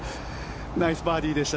ナイスバーディーでした。